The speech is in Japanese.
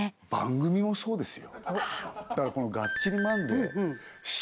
番組もそうですよだからこの「がっちりマンデー！！」